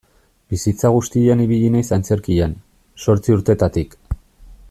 Bizitza guztian ibili naiz antzerkian, zortzi urtetatik.